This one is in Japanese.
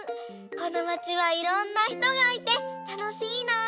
このまちはいろんなひとがいてたのしいな！